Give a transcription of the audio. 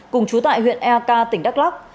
cùng chú tại huyện ea ca tỉnh đắk lắk